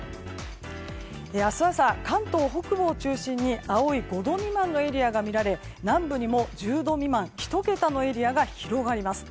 明日朝、関東北部を中心に青い５度未満のエリアが見られ南部にも１０度未満、１桁のエリアが広がります。